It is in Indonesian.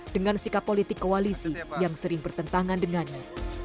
dengan sikap politik koalisi yang sering bertentangan dengannya